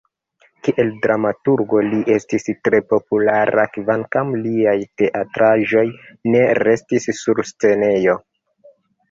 Kiel dramaturgo li estis tre populara, kvankam liaj teatraĵoj ne restis sur scenejo.